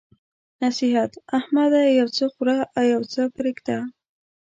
نصيحت: احمده! یو څه خوره او يو څه پرېږده.